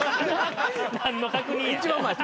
何の確認や。